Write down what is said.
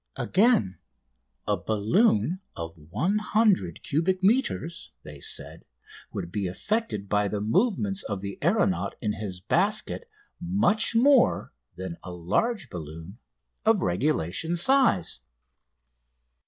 Again, a balloon of 100 cubic metres, they said, would be affected by the movements of the aeronaut in his basket much more than a large balloon of regulation size.